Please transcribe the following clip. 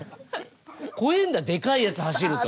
怖えんだデカいやつ走ると。